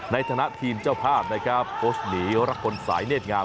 ในฐานะทีมเจ้าภาพโฟสต์หนีรักษณ์สายเนธงาม